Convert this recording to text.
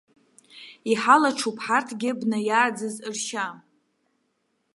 Иҳалаҽуп ҳарҭгьы бна иааӡаз ршьа.